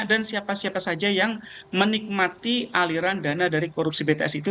dan siapa siapa saja yang menikmati aliran dana dari korupsi bts itu